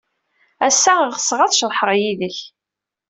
Ass-a, ɣseɣ ad ceḍḥeɣ yid-k.